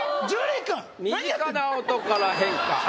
身近な音から変化！